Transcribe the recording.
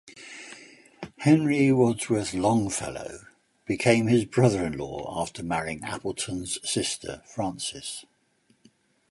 Henry Wadsworth Longfellow became his brother-in-law after marrying Appleton's sister Frances.